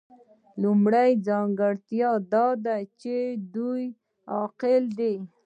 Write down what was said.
لومړۍ ځانګړتیا دا ده چې دوی عاقل دي.